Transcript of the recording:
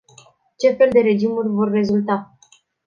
Ce fel de regimuri vor rezulta?